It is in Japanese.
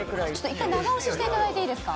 一回長押ししていただいてもいいですか？